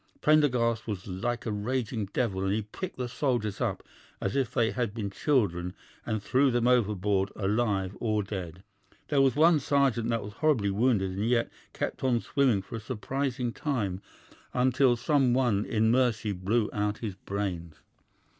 Prendergast was like a raging devil, and he picked the soldiers up as if they had been children and threw them overboard alive or dead. There was one sergeant that was horribly wounded and yet kept on swimming for a surprising time, until some one in mercy blew out his brains.